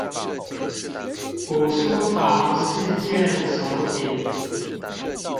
古書堂事件手帖